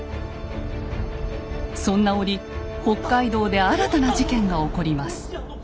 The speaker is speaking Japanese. そんな折北海道で新たな事件が起こります。